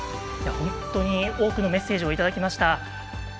本当に多くのメッセージをいただきました。